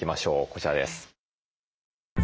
こちらです。